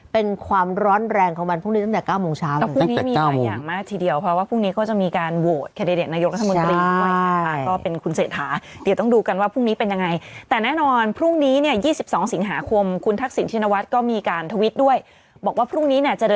เป็นความร้อนแรงของวันพรุ่งนี้ตั้งแต่๙โมงเช้า